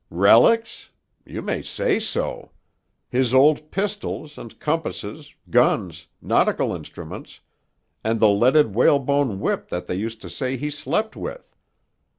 "Relics? You may say so! His old pistols, and compasses, guns, nautical instruments, and the leaded whalebone whip that they used to say he slept with.